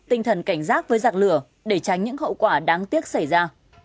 tinh thần cảnh giác với giặc lửa để tránh những hậu quả đáng tiếc xảy ra